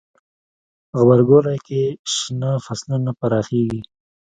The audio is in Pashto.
غبرګولی کې شنه فصلونه پراخیږي.